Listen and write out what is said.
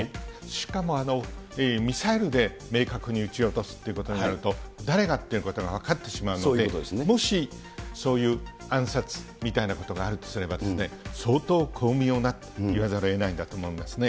しかもミサイルで明確に撃ち落とすということになると、誰がということが分かってしまうので、もしそういう暗殺みたいなことがあるとすればですね、相当巧妙なと言わざるをえないんだと思うんですね。